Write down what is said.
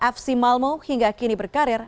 fc malmo hingga kini berkarir